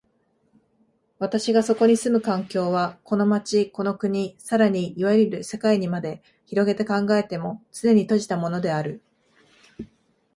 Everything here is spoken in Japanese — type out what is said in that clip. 私がそこに住む環境は、この町、この国、更にいわゆる世界にまで拡げて考えても、つねに閉じたものである。